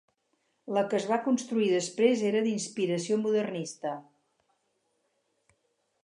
La que es va construir després, era d'inspiració modernista.